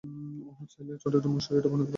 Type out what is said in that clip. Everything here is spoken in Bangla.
ওহ, চাইলে কর্টাডো বা মাশিয়াটো বানাতে পারি?